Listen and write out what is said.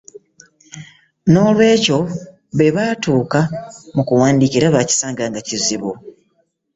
Noolwekyo bwe batuuka mu kuwandiika era bakisanga nga kizibu.